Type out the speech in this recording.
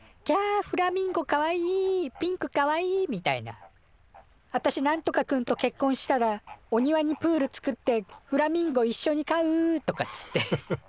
フラミンゴかわいいピンクかわいい」みたいな「あたしなんとか君とけっこんしたらお庭にプール作ってフラミンゴいっしょに飼う」とかっつって。